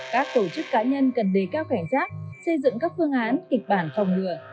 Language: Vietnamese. các tổ chức cá nhân cần đề cao cảnh giác xây dựng các phương án kịch bản phòng ngừa